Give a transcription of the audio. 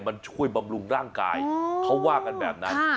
มันช่วยบำรุงร่างกายเขาว่ากันแบบนั้น